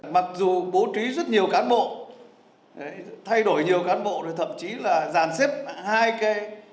mặc dù bố trí rất nhiều cán bộ thay đổi nhiều cán bộ rồi thậm chí là giàn xếp hai cái